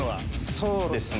そうですね。